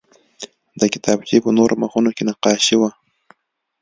د کتابچې په نورو مخونو کې نقاشي وه